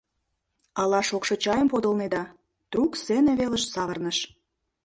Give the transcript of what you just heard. Ала шокшо чайым подылнеда? — трук сцене велыш савырныш.